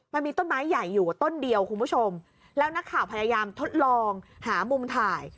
มันมีต้นไม้ใหญ่อยู่ต้นเดียวคุณผู้ชมแล้วนักข่าวพยายามทดลองหามุมถ่าย